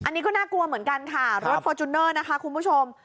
อันนี้ก็น่ากลัวเหมือนกันค่ะรถฟอร์จูเนอร์นะคะคุณผู้ชม